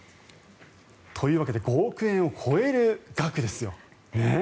というわけで５億円を超える額ですよ。